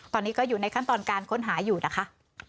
ตอนนี้ก็อยู่ในขั้นตอนการค้นหาอยู่นะคะ